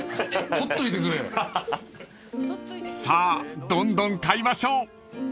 ［さあどんどん買いましょう］